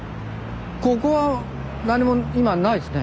ここは何も今ないですね。